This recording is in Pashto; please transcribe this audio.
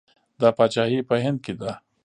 دا پاچاهي په هند کې ده.